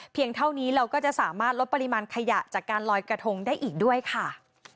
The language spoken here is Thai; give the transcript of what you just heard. เท่านี้เราก็จะสามารถลดปริมาณขยะจากการลอยกระทงได้อีกด้วยค่ะ